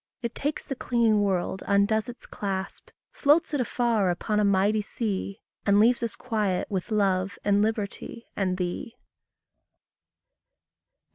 It takes the clinging world, undoes its clasp, Floats it afar upon a mighty sea, And leaves us quiet with love and liberty and thee.